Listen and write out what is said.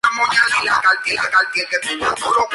Pronto tuvo diversos encargos, tanto cuadros como frescos.